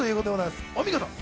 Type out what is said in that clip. お見事。